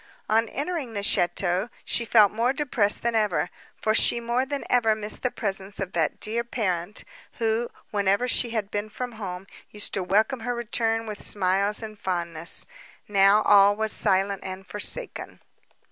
On entering the château she felt more depressed than ever, for she more than ever missed the presence of that dear parent, who, whenever she had been from home, used to welcome her return with smiles and fondness; now, all was silent and forsaken.